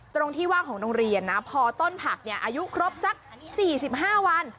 ตรงที่ว่างของโรงเรียนนะพอต้นผักอายุครบสัก๔๕วัน